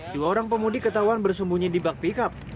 dua orang pemudi ketahuan bersembunyi di bak pikap